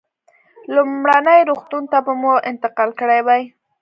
لومړني روغتون ته به مو انتقال کړی وای.